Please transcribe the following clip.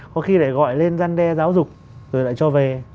có khi lại gọi lên răn đe giáo dục rồi lại cho về